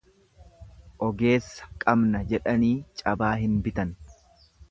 Ogeessa qabna jedhanii cabaa hin bitan.